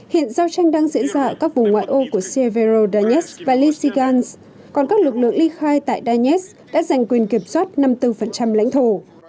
hiện giao tranh đang diễn ra ở các vùng ngoại ô của severodonetsk và lysigansk còn các lực lượng ly khai tại donetsk đã giành quyền kiểm soát năm mươi bốn lãnh thổ